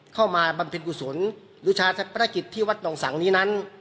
เข้ามาบำเพ็ญกุศลอยู่ชาติแปรงคิดที่วัดหนังสังนี้นั้น